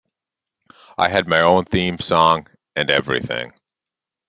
I had my own theme song and everything.